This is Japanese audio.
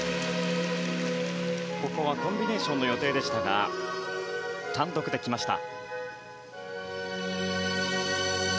コンビネーションの予定でしたが単独で来ました。